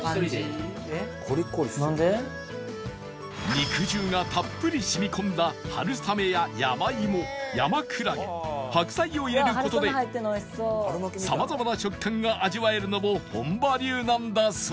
肉汁がたっぷり染み込んだ春雨や山芋山くらげ白菜を入れる事でさまざまな食感が味わえるのも本場流なんだそう